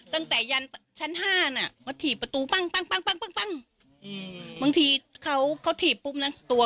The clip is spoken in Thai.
แล้วพวกเถื่อบละอามาตลอดใช่ไหมป้า